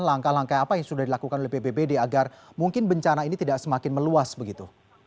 langkah langkah apa yang sudah dilakukan oleh bpbd agar mungkin bencana ini tidak semakin meluas begitu